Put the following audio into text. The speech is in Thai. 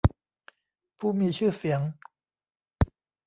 ผู้มีชื่อเสียง